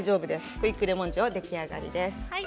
クイックレモン塩は出来上がりです。